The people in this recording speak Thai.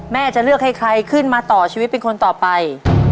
จะเลือกให้ใครขึ้นมาต่อชีวิตเป็นคนต่อไป